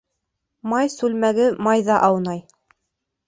Май сүлмәге майҙа аунай